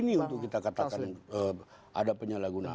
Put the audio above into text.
terlalu dini untuk kita katakan ada penyalahgunaan